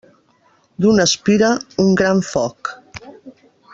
D'una espira, un gran foc.